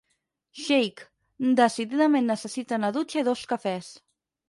Xeic, decididament necessita una dutxa i dos cafès.